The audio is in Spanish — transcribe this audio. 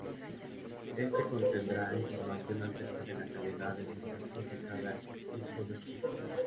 Éste contendrá información acerca de la calidad de servicio de cada tipo de flujo.